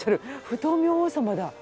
不動明王様だ。